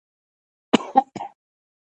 اخښی، يعني د خور مېړه.